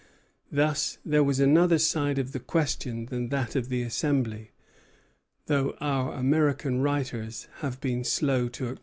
Thus there was another side to the question than that of the Assembly; though our American writers have been slow to acknowledge it.